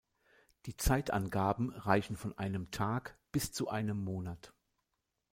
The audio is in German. Die Zeitangaben reichen von einem Tag bis zu einem Monat.